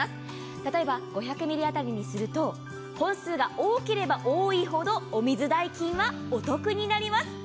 例えば５００ｍｌ当たりにすると本数が多ければ多いほどお水代金はお得になります。